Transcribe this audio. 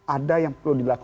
ada yang perlu dilakukan